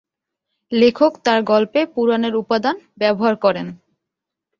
লেখক তার গল্পে পুরাণের উপাদান ব্যবহার করেন।